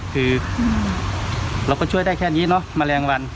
คือเราก็ช่วยได้แค่นี้เนอะแมลงวัน